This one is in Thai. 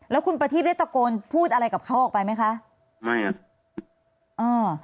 แล้วคุณประทีบได้ตะโกนพูดอะไรกับเขาออกไปไหมคะไม่ครับอ่า